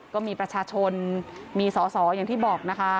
ก็มีประชาชนมีสอสออย่างที่บอกนะคะ